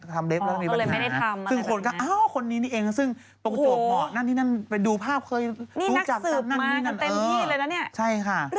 ทำ๙๗แล้วก็มีปัญหางั้นเลยไม่ได้ทำ